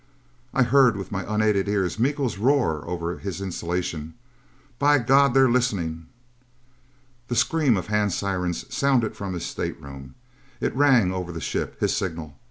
I heard with my unaided ears Miko's roar over his insulation: "By God, they're listening!" The scream of hand sirens sounded from his stateroom. It rang over the ship. His signal!